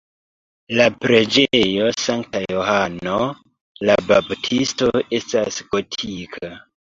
La preĝejo sankta Johano la Baptisto estas gotika.